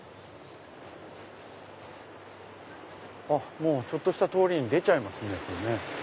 もうちょっとした通りに出ちゃいますね。